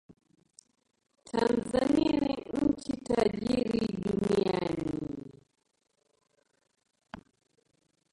Tanzania ni nchi tajiri duniani